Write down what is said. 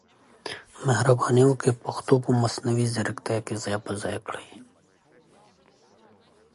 Glenn saw action in the team’s penultimate game that week against the Ottawa Redblacks.